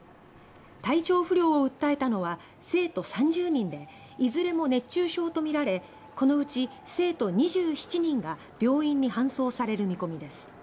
体調不良を訴えたのは生徒３０人でいずれも熱中症とみられこのうち生徒２７人が病院に搬送される見込みです。